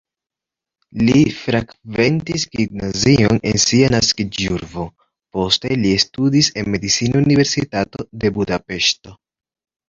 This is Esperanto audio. Li frekventis gimnazion en sia naskiĝurbo, poste li studis en Medicina Universitato de Budapeŝto.